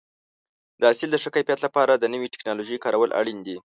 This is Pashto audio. د حاصل د ښه کیفیت لپاره د نوې ټکنالوژۍ کارول اړین دي.